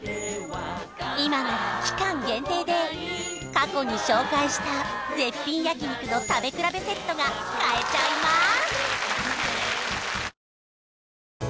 今なら期間限定で過去に紹介した絶品焼肉の食べ比べセットが買えちゃいます